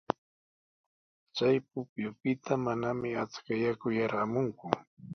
Chay pukyupita manami achka yaku yarqamunku.